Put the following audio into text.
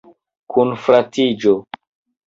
Kunfratiĝo.